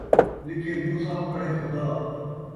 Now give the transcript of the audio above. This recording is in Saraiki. لکھے موسیٰ پڑھے خدا